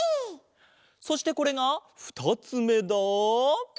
そしてこれが２つめだ。